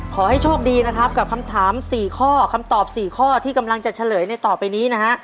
ขอให้โชคดีนะครับกับคำถาม๔ข้อคำตอบ๔ข้อที่กำลังจะเฉลยในต่อไปนี้นะฮะ